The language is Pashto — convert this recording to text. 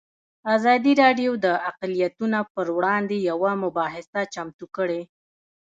ازادي راډیو د اقلیتونه پر وړاندې یوه مباحثه چمتو کړې.